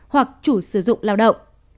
hoặc chủ sử dụng lao động